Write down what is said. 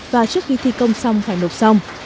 và trước khi thi công xong phải nộp xong